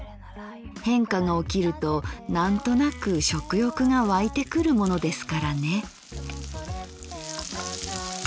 変化が起きるとなんとなく食欲がわいてくるものですからね」。